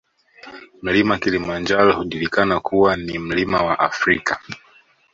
Mlima Kilimanjaro hujulikana kuwa kuwa ni mlima wa Afrika